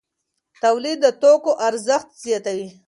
تولید د توکو ارزښت زیاتوي.